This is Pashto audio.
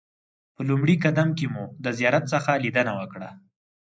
په لومړي قدم کې مو د زیارت څخه لیدنه وکړه.